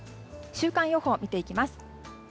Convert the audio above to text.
週間予報を見ていきます。